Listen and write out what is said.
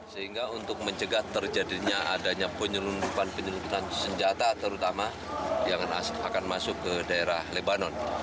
sehingga untuk mencegah terjadinya adanya penyelundupan penyelundupan senjata terutama yang akan masuk ke daerah lebanon